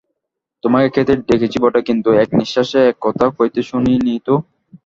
তোমাকে খেতে দেখেছি বটে, কিন্তু এক নিশ্বাসে এত কথা কইতে শুনি নি তো।